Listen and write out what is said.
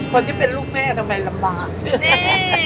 คนที่เป็นลูกแม่ทำไมลำบาก